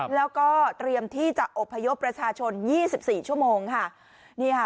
แล้วก็เตรียมที่จะอบพยพประชาชนยี่สิบสี่ชั่วโมงค่ะนี่ค่ะ